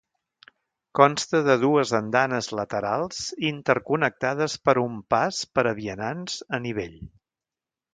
Consta de dues andanes laterals interconnectades per un pas per a vianants a nivell.